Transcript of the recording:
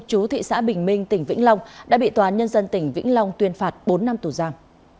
chú thị xã bình minh tỉnh vĩnh long đã bị tòa án nhân dân tỉnh vĩnh long tuyên phạt bốn năm tù giam